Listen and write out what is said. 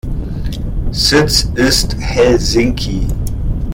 Sitz ist Helsinki.